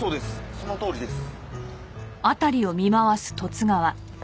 そのとおりです。